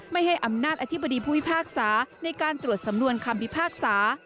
ไม่ให้อำนาจอธิบดีผู้พิพากษาในการตรวจสำนวนคำพิพากษา